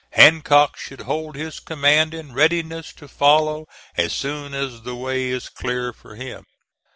Hancock should hold his command in readiness to follow as soon as the way is clear for him.